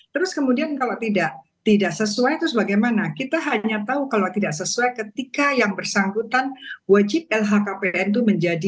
terus kemudian kalau tidak tidak sesuai terus bagaimana kita hanya tahu kalau tidak sesuai ketika yang bersangkutan wajib lhkpn itu menjadi